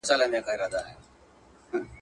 که ته په املا کي تېروتنې ونه کړې.